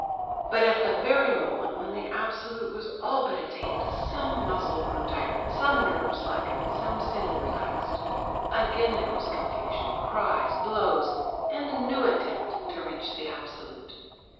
But at the very moment when the absolute was all but attained, some muscle grew tired, some nerve slackened, some sinew relaxed. Again there was confusion, cries, blows, and a new attempt to reach the absolute.